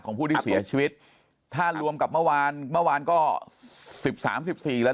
ของผู้ที่เสียชีวิตถ้ารวมกับเมื่อวานเมื่อวานก็๑๓๑๔แล้ว